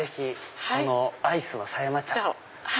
そのアイスの狭山茶を。